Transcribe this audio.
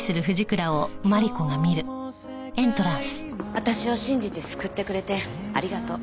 私を信じて救ってくれてありがとう。